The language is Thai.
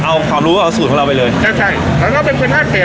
เอาความรู้เอาสูตรของเราไปเลยใช่ใช่เขาก็เป็นคนราบเป็ด